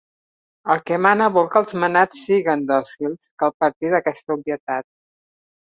El que mana vol que els manats siguen dòcils. Cal partir d'aquesta obvietat.